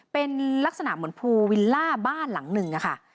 เป็นลักษณะเหมือนภูวิลล่าบ้านหลังหนึ่งค่ะ